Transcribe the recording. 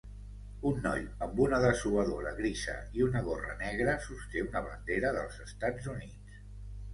Un noi amb un dessuadora grisa i una gorra negra sosté una bandera dels Estats Units.